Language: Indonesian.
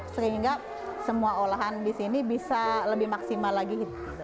sehingga semua olahan di sini bisa lebih maksimal lagi